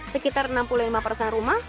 sekitar enam puluh lima persen rumah